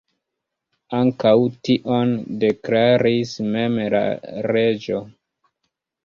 Ankaŭ tion deklaris mem la reĝo.